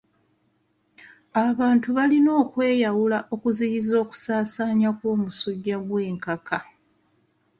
Abantu balina okweyawula okuziyiza okusaasaana kw'omusujja gw'enkaka.